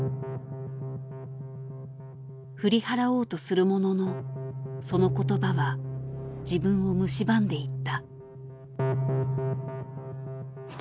振り払おうとするもののその言葉は自分をむしばんでいった。